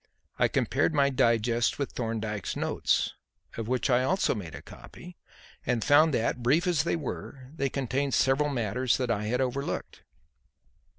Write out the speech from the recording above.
I compared my digest with Thorndyke's notes of which I also made a copy and found that, brief as they were, they contained several matters that I had overlooked.